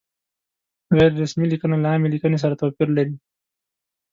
غیر رسمي لیکنه له عامې لیکنې سره توپیر لري.